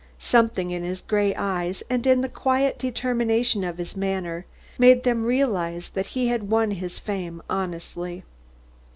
Something in his grey eyes and in the quiet determination of his manner made them realise that he had won his fame honestly.